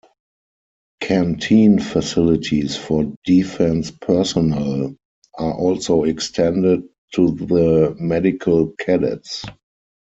Canteen facilities for defence personnel are also extended to the Medical Cadets.